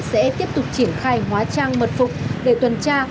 sẽ tiếp tục triển khai hóa trang mật phục để tuần tra